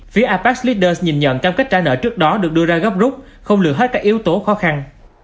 phía abax leaders nhìn nhận cam kết trả nợ trước đó được đưa ra gấp rút không lừa hết các yếu tố khó khăn